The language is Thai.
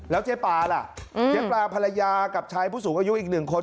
แล้วเจ๊ปลาล่ะเจ๊ปลาภรรยากับชายผู้สูงอายุอีกหนึ่งคน